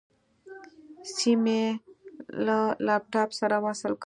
سيم يې له لپټاپ سره وصل کړ.